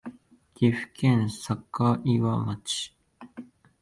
岐阜県坂祝町